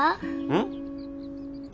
うん。